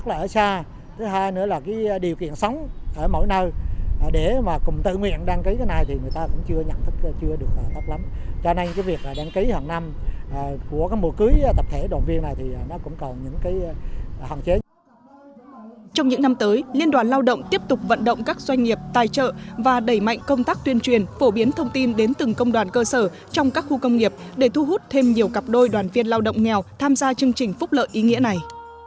trong những năm tới liên đoàn lao động tiếp tục vận động các doanh nghiệp tài trợ và đẩy mạnh công tác tuyên truyền phổ biến thông tin đến từng công đoàn cơ sở trong các khu công nghiệp để thu hút thêm nhiều cặp đôi đoàn viên lao động nghèo tham gia chương trình phúc lợi ý nghĩa này